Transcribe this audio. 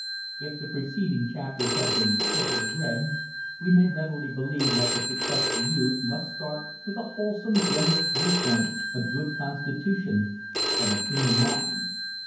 If the preceding chapters have been carefully read we may readily believe that the successful youth must start with a wholesome, generous viewpoint, a good constitution, and a clean mind.